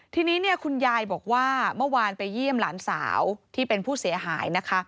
ทีนี้เนี่ยคุณยายบอกว่าเมื่อวานไปเยี่ยมหลานสาวที่เป็นผู้เสียหายนะคะ